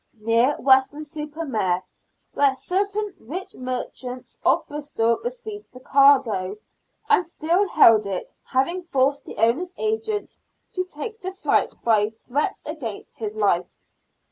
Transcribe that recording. near Weston super Mare, where certain rich merchants of Bristol received the cargo, and still held it, having forced the owner's agent to take to flight by threats against his life.